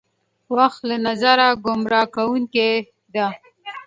وخت له نظره ګمراه کوونکې ده.